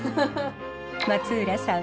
松浦さん